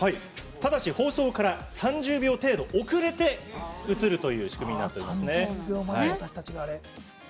ただし放送から３０秒程度遅れて映る仕組みとなっています。